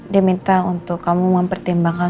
dia minta untuk kamu mempertimbangkan